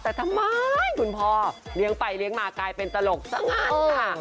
แต่ทำไมคุณพ่อเลี้ยงไปเลี้ยงมากลายเป็นตลกซะงั้นค่ะ